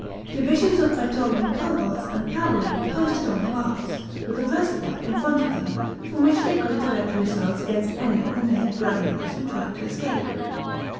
Divisions of praetorian cohorts and cavalry were posted on the rafts, with a breastwork in front of them, from which they could direct missiles against any of the naval gladiators who tried to escape.